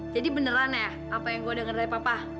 jadi beneran ya apa yang gue denger dari papa